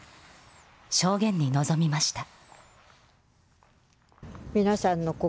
証言に臨みました。